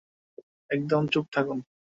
একদম চুপ থাকুন!